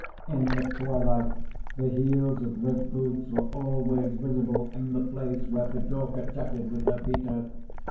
In the twilight the heels of red boots were always visible in the place where Pidorka chatted with her Peter.